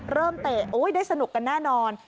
เริ่มเตะโอ้ยได้สนุกกันแน่นอน